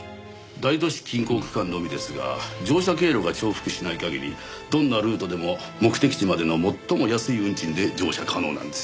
大都市近郊区間のみですが乗車経路が重複しない限りどんなルートでも目的地までの最も安い運賃で乗車可能なんですよ。